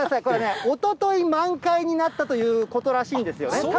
これね、おととい満開になったということらしいんですよね。